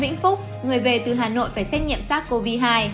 vĩnh phúc người về từ hà nội phải xét nghiệm sars cov hai